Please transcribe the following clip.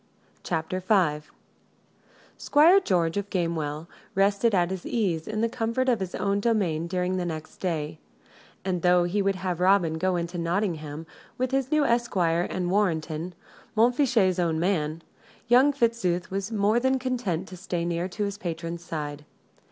CHAPTER V Squire George of Gamewell rested at his ease in the comfort of his own domain during the next day; and, though he would have Robin go into Nottingham, with his new esquire and Warrenton Montfichet's own man young Fitzooth was more than content to stay near to his patron's side.